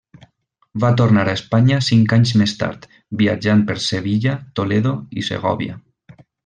Va tornar a Espanya cinc anys més tard, viatjant per Sevilla, Toledo i Segòvia.